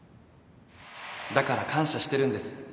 だから感謝してるんです